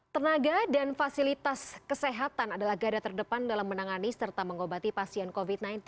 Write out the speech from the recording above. tenaga dan fasilitas kesehatan adalah gada terdepan dalam menangani serta mengobati pasien covid sembilan belas